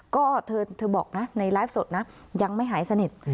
ก็เธอบอกนะในไลฟ์สดนะยังไม่หายสนิท